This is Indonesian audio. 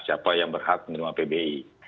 siapa yang berhak menerima pbi